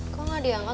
kok nggak dianggap